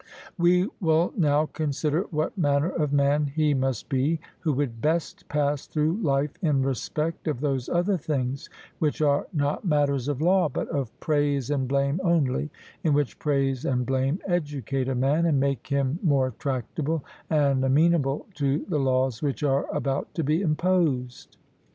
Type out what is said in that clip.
We will now consider what manner of man he must be who would best pass through life in respect of those other things which are not matters of law, but of praise and blame only; in which praise and blame educate a man, and make him more tractable and amenable to the laws which are about to be imposed.